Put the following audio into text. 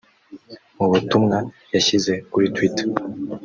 Mu butumwa yashyize kuri Twitter